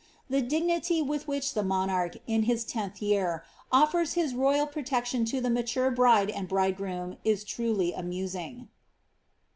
The digniTf with which the monarch, in his tenth year, olfers his royal protection to the mature bride and bridegroom is truly amusing.